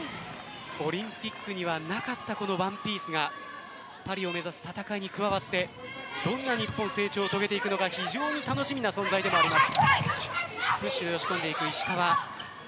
オリンピックにはなかった１ピースがパリを目指す戦いに加わってどんな成長を遂げていくのか非常に楽しみな存在でもあります。